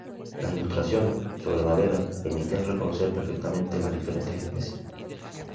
Las ilustraciones, sobre madera, permitían reconocer perfectamente las diferentes especies.